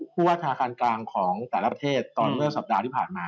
ว่าธนาคารกลางของแต่ละประเทศตอนเมื่อสัปดาห์ที่ผ่านมา